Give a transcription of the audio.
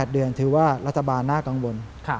๘เดือนถือว่ารัฐบาลน่ากังวล